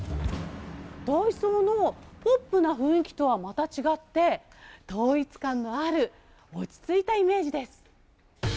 ダイソーのポップな雰囲気とはまた違って、統一感のある落ち着いたイメージです。